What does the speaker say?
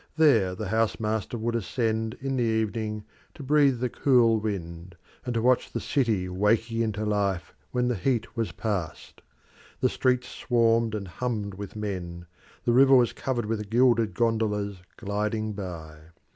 There the house master would ascent in the evening to breathe the cool wind, and to watch the city waking into life when the heat was past. The streets swarmed and hummed with men; the river was covered with gilded gondolas gliding by.